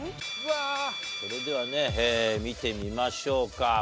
それではね見てみましょうか。